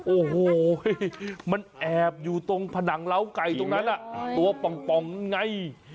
โอ้โหมันแอบอยู่ตรงผนังเล้าไก่ตรงนั้นตัวป่องไง